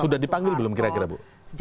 sudah dipanggil belum kira kira bu